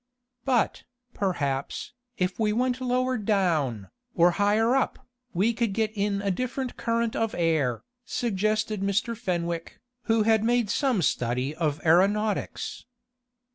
"But, perhaps, if we went lower down, or higher up, we could get in a different current of air," suggested Mr. Fenwick, who had made some study of aeronautics.